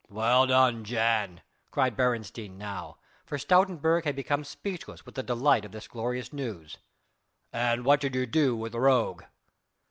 "Well done, Jan!" cried Beresteyn now, for Stoutenburg had become speechless with the delight of this glorious news; "and what did you do with the rogue?"